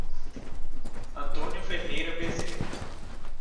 Antônio Ferreira Bezerra